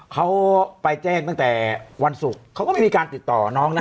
เขาไปแจ้งตั้งแต่วันศุกร์เขาก็ไม่มีการติดต่อน้องนะ